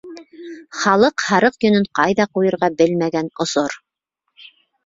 Халыҡ һарыҡ йөнөн ҡайҙа ҡуйырға белмәгән осор.